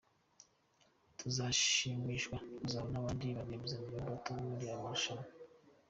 Tuzashimishwa no kuzabona abandi ba rwiyemezamirimo bato muri aya marushanwa.